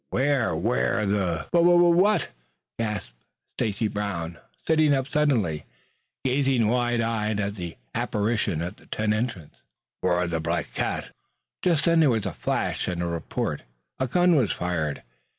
"'Ware, 'ware the " "Wha wha wha wha what!" gasped Stacy Brown, sitting up suddenly, gazing wide eyed at the apparition at the tent entrance. "'Ware the black cat!" Just then there was a flash and a report. A gun was fired.